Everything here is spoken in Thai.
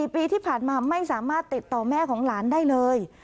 ๔ปีที่ผ่านมาไม่สามารถติดต่อแม่ของหลานได้เลย